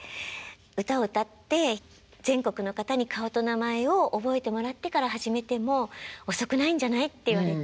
「歌を歌って全国の方に顔と名前を覚えてもらってから始めても遅くないんじゃない？」って言われて。